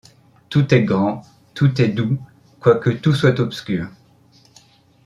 Tout est grand, tout est doux, quoique tout soit obscur !